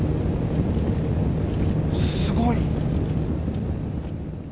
すごい。